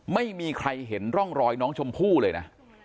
ไม่มีใครเห็นร่องรอยน้องชมพู่เลยนะ